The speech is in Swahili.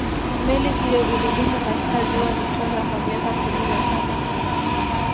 meli hiyo ilidumu katika ziwa victoria kwa miaka kumi na saba